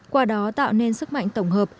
qua đó tạo nên sức mạnh tổng hợp